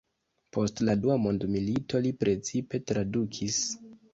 Post la dua mondmilito li precipe tradukis.